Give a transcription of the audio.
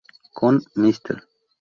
Con "Mr.